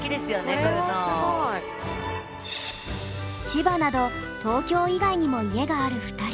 千葉など東京以外にも家がある２人。